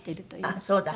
ああそうだ。